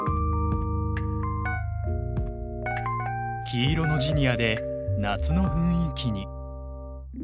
黄色のジニアで夏の雰囲気に。